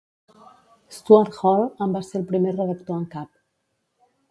Stuart Hall en va ser el primer redactor en cap.